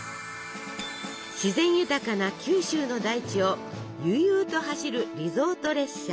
自然豊かな九州の大地を悠々と走るリゾート列車。